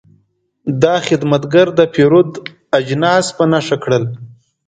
دا خدمتګر د پیرود اجناس په نښه کړل.